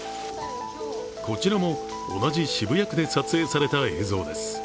こちらも同じ渋谷区で撮影された映像です。